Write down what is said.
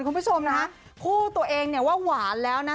คุณผู้ชมค่ะคู่ตัวเองว่าหวานแล้วนะ